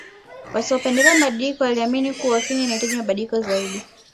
Wasiopendelea mabadiliko waliamini kuwa Kenya ilihitaji mabadiliko zaidi